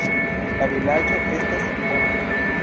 La vilaĝo estas senhoma.